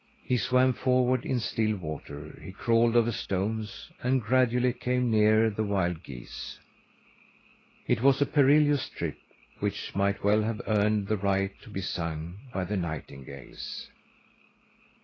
He swam forward in still water; he crawled over stones, and gradually came nearer the wild geese. It was a perilous trip, which might well have earned the right to be sung by the nightingales.